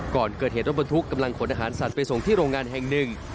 ก่อนเกิดเหตุรถบรรทุกกำลังขนอาหารสัตว์ไปส่งที่โรงงานแห่งหนึ่ง